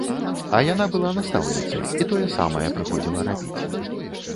А яна была настаўніцай і тое самае прыходзіла рабіць.